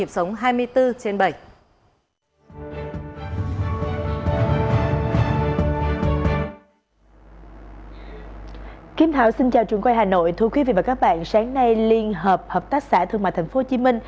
và các bạn xin chào trường quay hà nội thưa quý vị và các bạn sáng nay liên hợp hợp tác xã thương mạc tp hcm